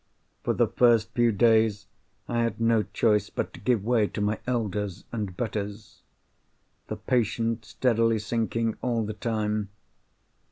For the first few days, I had no choice but to give way to my elders and betters; the patient steadily sinking all the time.